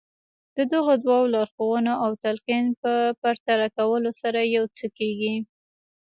د دغو دوو لارښوونو او تلقين په پرتله کولو سره يو څه کېږي.